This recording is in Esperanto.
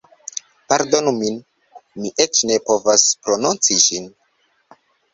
Pardonu min, mi eĉ ne povas prononci ĝin